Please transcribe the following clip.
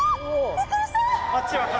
びっくりした。